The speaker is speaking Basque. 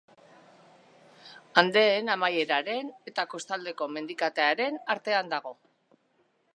Andeen amaieraren eta Kostaldeko mendikatearen artean dago.